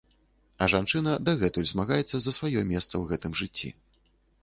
А жанчына дагэтуль змагаецца за сваё месца ў гэтым жыцці.